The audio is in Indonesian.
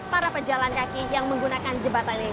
para pejalan kaki yang menggunakan jembatan ini